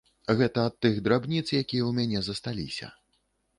Гэта ад тых драбніц, якія ў мяне засталіся.